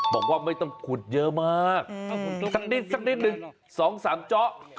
บอกว่าไม่ต้องขุดเยอะมากสักนิดสักนิดนึง๒๓เจาะ